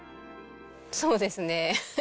そうですね。